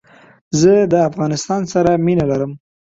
زه دافغانستان سره مينه لرم